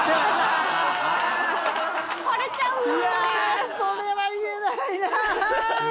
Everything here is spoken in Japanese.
いやそれは言えないな！